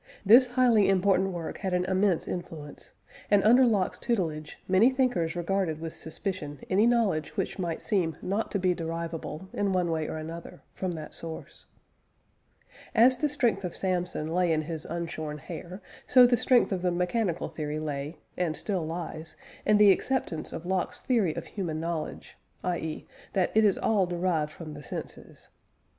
This highly important work had an immense influence, and, under Locke's tutelage, many thinkers regarded with suspicion any knowledge which might seem not to be derivable, in one way or another, from that source. As the strength of Samson lay in his unshorn hair, so the strength of the mechanical theory lay, and still lies, in the acceptance of Locke's theory of human knowledge, i.e. that it is all derived from the senses.